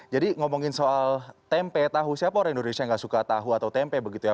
jadi ngomongin soal tempe tahu siapa orang indonesia yang gak suka tahu atau tempe begitu ya